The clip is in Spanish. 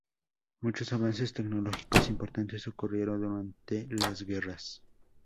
Muchos avances tecnológicos importantes ocurrieron durante las guerras.